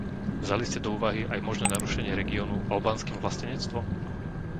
Vzali ste do úvahy aj možné narušenie regiónu albánskym vlastenectvom?